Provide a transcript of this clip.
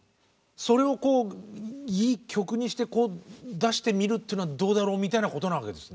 それをこういい曲にして出してみるっていうのはどうだろうみたいなことなわけですね。